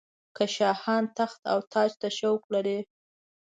که شاهان تخت او تاج ته شوق لري.